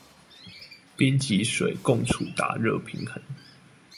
冰及水共處達熱平衡